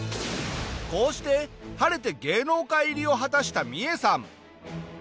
こうして晴れて芸能界入りを果たしたミエさん。